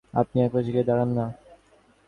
আপনিও এক পাশে গিয়ে দাঁড়ান-না।